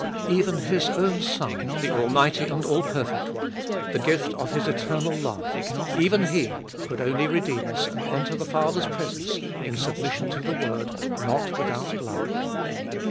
Even His own Son, the Almighty and All perfect One, the gift of His eternal love, even He could only redeem us, and enter the Father's presence, in submission to the word, not without blood.